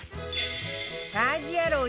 『家事ヤロウ！！！』